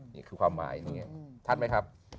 นี่คือความหมายท่านไหมครับ